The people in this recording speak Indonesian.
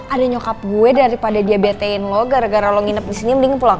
ada nyokap gue daripada dia betein lo gara gara lo nginep disini mending pulang